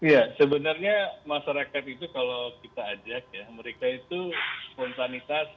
ya sebenarnya masyarakat itu kalau kita ajak ya mereka itu spontanitas